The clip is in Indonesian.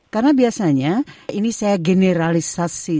karena biasanya ini saya generalisasi